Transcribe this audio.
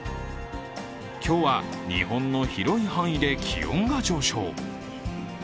今日は、日本の広い範囲で気温が上昇。